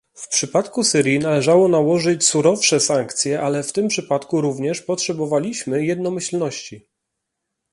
W przypadku Syrii należało nałożyć surowsze sankcje, ale w tym przypadku również potrzebowaliśmy jednomyślności